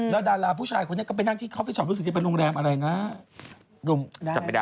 แล้วดาราผู้ชายคนนี้ก็ไปนั่งที่คอฟฟิชอปรู้สึกจะเป็นโรงแรมอะไรนะ